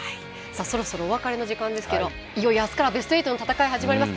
そろそろお別れの時間ですが明日からいよいよベスト８の戦いが始まります。